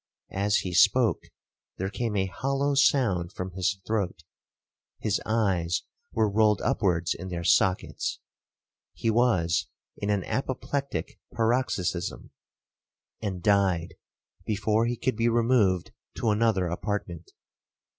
As he spoke, there came a hollow sound from his throat, his eyes were rolled upwards in their sockets,—he was in an apoplectic paroxysm, and died before he could be removed to another apartment.